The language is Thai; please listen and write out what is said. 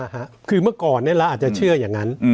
คือเมื่อก่อนเนี่ยเราอาจจะเชื่ออย่างนั้น